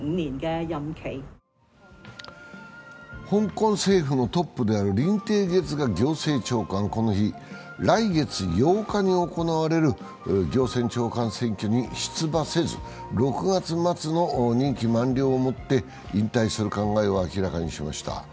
香港政府のトップである林鄭月娥行政長官はこの日、来月８日に行われる行政長官選挙に出馬せず６月末の任期満了をもって引退する考えを明らかにしました。